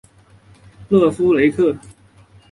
勒夫雷克。